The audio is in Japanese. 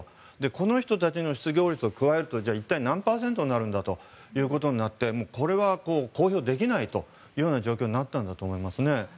この人たちの失業率を加えると一体、何パーセントになるんだということでこれは公表できないという状況になったんだと思いますね。